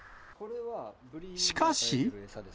しかし。